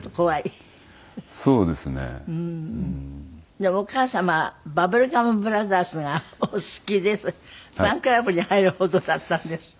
でもお母様はバブルガム・ブラザーズがお好きでファンクラブに入るほどだったんですって？